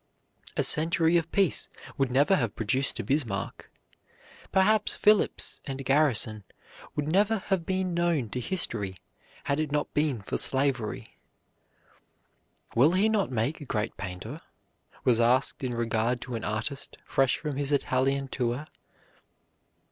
A century of peace would never have produced a Bismarck. Perhaps Phillips and Garrison would never have been known to history had it not been for slavery. "Will he not make a great painter?" was asked in regard to an artist fresh from his Italian tour.